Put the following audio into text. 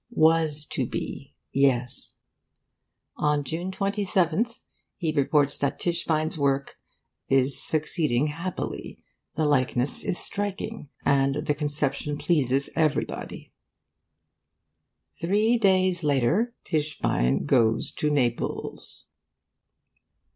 Was to be, yes. On June 27th he reports that Tischbein's work 'is succeeding happily; the likeness is striking, and the conception pleases everybody.' Three days later: 'Tischbein goes to Naples.